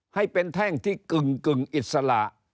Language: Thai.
ให้เป็นแท่งที่กึ่งอิสระ